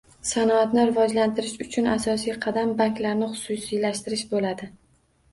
Sanoatni rivojlantirish uchun asosiy qadam banklarni xususiylashtirish bo'ladi